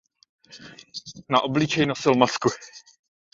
Na obličeji nosil masku.